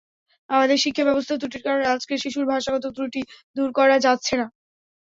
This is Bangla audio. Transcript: আমাদের শিক্ষাব্যবস্থার ত্রুটির কারণে আজকের শিশুর ভাষাগত ত্রুটি দূর করা যাচ্ছে না।